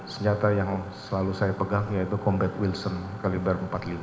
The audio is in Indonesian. senjata yang selalu saya pegang yaitu combat wilson kaliber empat puluh lima